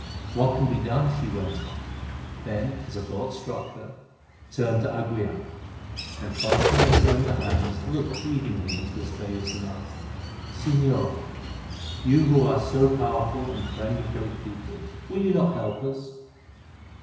"What can be done?" she went on; then, as a thought struck her, turned to d'Aguilar, and, clasping her slender hands, looked pleadingly into his face and asked: "Señor, you who are so powerful, and the friend of great people, will you not help us?"